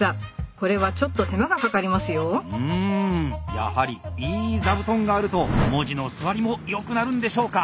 やはりいい「ザブトン」があると文字の据わりもよくなるんでしょうか。